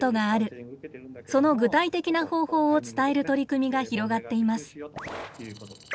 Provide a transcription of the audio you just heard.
その具体的な方法を伝える取り組みが広がっています。